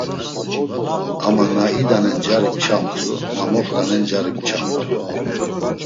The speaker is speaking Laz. Ama na idanan cari pçamtu, na moxt̆anen cari pçamtu…